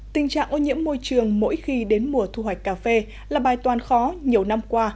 tình trạng ô nhiễm môi trường mỗi khi đến mùa thu hoạch cà phê là bài toàn khó nhiều năm qua